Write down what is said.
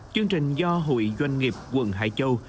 chương trình do hội doanh nghiệp quận hải châu